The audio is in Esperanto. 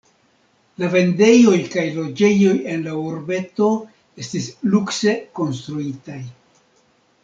La vendejoj kaj loĝejoj en la urbeto estis lukse konstruitaj.